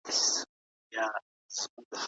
ارام ذهن له بې ځایه اندیښنو مخنیوی کوي.